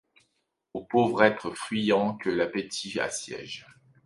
Au pauvre être fuyant que l’appétit assiège ;